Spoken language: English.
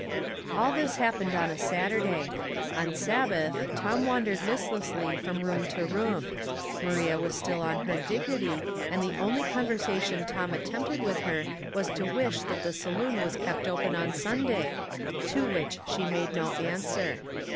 All this happened on Saturday. On Sabbath, Tom wandered listlessly from room to room. Maria was still on her dignity, and the only con versation Tom attempted with her was to wish that the saloon was kept open on Sunday, to which she njade no answer.